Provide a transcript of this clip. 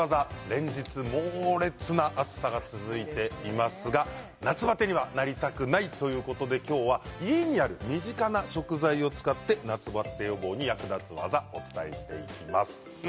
連日、猛烈な暑さが続いていますが夏バテにはなりたくないということで今日は家にある身近な食材を使って夏バテ予防に役立つ技をお伝えします。